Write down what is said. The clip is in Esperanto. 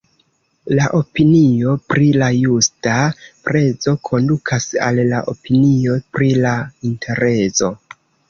La opinio pri la justa prezo kondukas al la opinio pri la interezo.